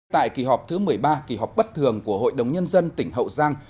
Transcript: tại kỳ họp thứ một mươi ba kỳ họp bất thường của hội đồng nhân dân tỉnh hậu giang